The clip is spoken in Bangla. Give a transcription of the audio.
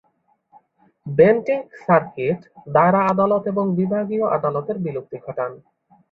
বেন্টিঙ্ক সার্কিট দায়রা আদালত এবং বিভাগীয় আদালতের বিলুপ্তি ঘটান।